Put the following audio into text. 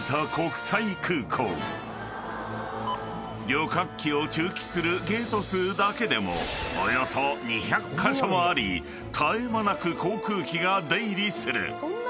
［旅客機を駐機するゲート数だけでもおよそ２００カ所もあり絶え間なく航空機が出入りする］